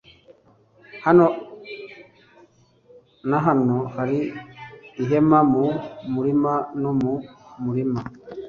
Hano na hano hari ihema mu murima no mu murima